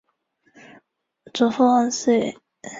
祖父王思与。